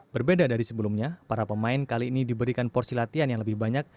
berbeda dari sebelumnya para pemain kali ini diberikan porsi latihan yang lebih banyak